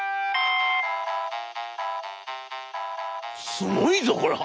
「すごいぞこれは！